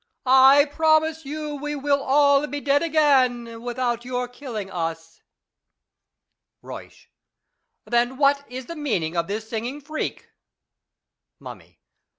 I promise you we will all be dead again without your killing us. Euyscli. Then what is the meaning of this singing freak ? Mummy.